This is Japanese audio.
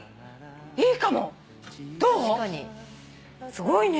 すごいね。